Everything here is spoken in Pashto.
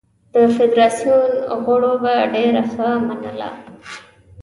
د فدراسیون غړو به ډېره ښه منله.